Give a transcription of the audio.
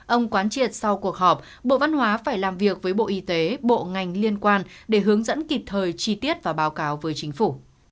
ông quán triệt sau cuộc họp bộ văn hóa phải làm việc với bộ y tế bộ ngành liên quan để hướng dẫn kịp thời chi tiết và báo cáo với chính phủ